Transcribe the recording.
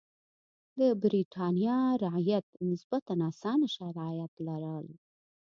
د برېټانیا رعیت نسبتا اسانه شرایط لرل.